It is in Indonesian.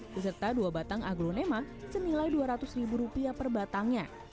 beserta dua batang aglonema senilai rp dua ratus per batangnya